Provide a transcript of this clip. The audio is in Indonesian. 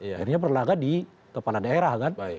akhirnya berlagak di kepala daerah kan